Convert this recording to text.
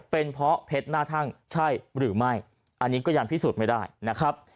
เป็นเพราะเพชรหน้าทั่งใช่หรือไม่อันนี้ก็ยังพิสูจน์ไม่ได้นะครับ